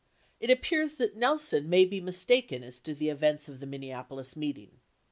It appears that Nelson may be mistaken as to the events of the Minne apolis meeting.